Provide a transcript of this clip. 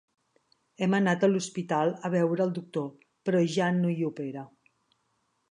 Hem anat a l'hospital a veure el doctor, però ja no hi opera.